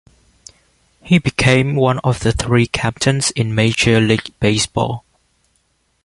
He became one of the three captains in Major League Baseball.